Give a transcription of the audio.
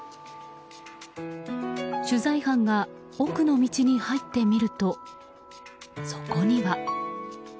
取材班が奥の道に入ってみるとそこには。